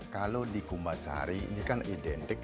kalau di kumasari ini kan identik